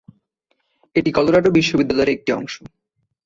এটি কলোরাডো বিশ্ববিদ্যালয়ের একটি অংশ।